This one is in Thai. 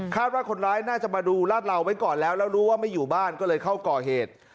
ว่าคนร้ายน่าจะมาดูลาดเหลาไว้ก่อนแล้วแล้วรู้ว่าไม่อยู่บ้านก็เลยเข้าก่อเหตุ